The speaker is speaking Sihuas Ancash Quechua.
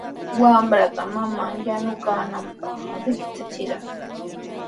Wamranta maman yanukuyaananpaq riktrachirqan.